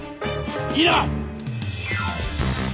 いいな！